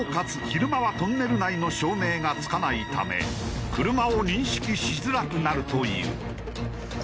昼間はトンネル内の照明がつかないため車を認識しづらくなるという。